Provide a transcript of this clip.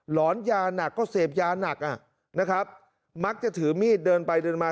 หอนยาหนักก็เสพยาหนักอ่ะนะครับมักจะถือมีดเดินไปเดินมา